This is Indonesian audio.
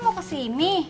nggak ada ah